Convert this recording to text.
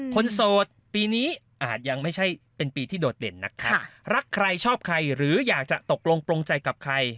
โสดปีนี้อาจยังไม่ใช่เป็นปีที่โดดเด่นนะครับรักใครชอบใครหรืออยากจะตกลงปลงใจกับใคร